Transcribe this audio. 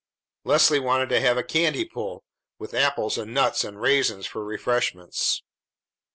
Leslie wanted to have a candy pull, with apples and nuts and raisins for refreshments.